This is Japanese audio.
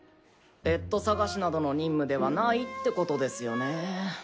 ペット探しなどの任務ではないってことですよね。